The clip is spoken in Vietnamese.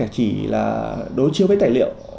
chỉ là đối chiêu với tài liệu